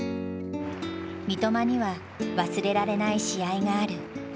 三笘には忘れられない試合がある。